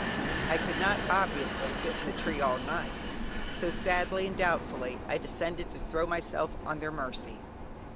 I could not, obviously, sit in the tree all night, so sadly and doubtfully I descended to throw myself on their mercy.